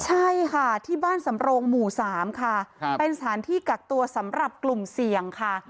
ใช่ค่ะที่บ้านสำโรงหมู่๓ค่ะเป็นสถานที่กักตัวสำหรับกลุ่มเสี่ยงค่ะ